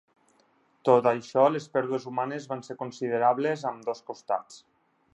Tot i això les pèrdues humanes van ser considerables a ambdós costats.